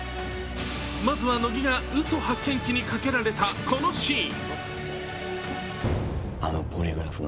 まずは、乃木がうそ発見器にかけられたこのシーン。